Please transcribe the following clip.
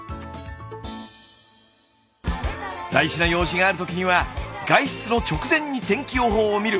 大事な用事があるときには外出の直前に天気予報を見る。